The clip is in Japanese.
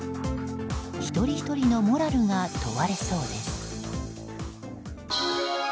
一人ひとりのモラルが問われそうです。